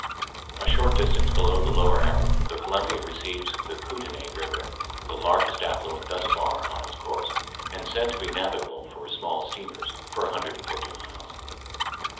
A short distance below the Lower Arrow the Columbia receives the Kootenay River, the largest affluent thus far on its course and said to be navigable for small steamers for a hundred and fifty miles.